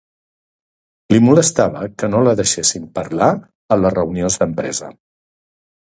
Li molestava que no la deixessin parlar a les reunions d'empresa.